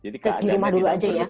di rumah dulu aja ya